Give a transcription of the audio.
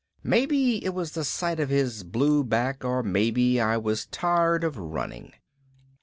Maybe it was the sight of his blue back or maybe I was tired of running.